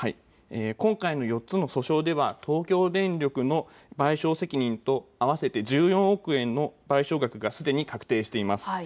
今回の４つの訴訟では東京電力の賠償責任と合わせて１４億円の賠償額がすでに確定しています。